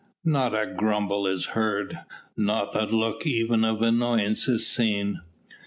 Not a grumble is heard, not a look even of annoyance is seen."